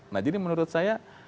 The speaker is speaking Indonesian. nah jadi menurut saya